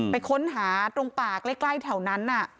ไปค้นหาตรงป่าใกล้แถวนั้น